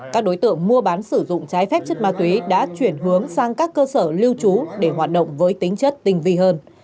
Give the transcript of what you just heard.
các đối tượng mua bán sử dụng trái phép chất ma túy đã chuyển hướng sang các cơ sở lưu trú để hoạt động với tính chất tinh vi hơn